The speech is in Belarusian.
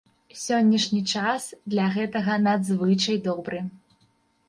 Сённяшні час для гэтага надзвычай добры.